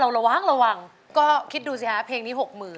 เราระว้างก็คิดดูซิค่ะเพลงนี้๖๐๐๐๐